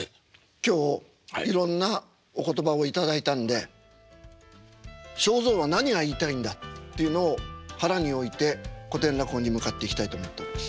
今日いろんなお言葉を頂いたんで正蔵は何が言いたいんだっていうのを腹に置いて古典落語に向かっていきたいと思っております。